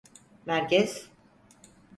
Merkez…